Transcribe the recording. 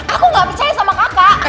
aku gak percaya sama kakak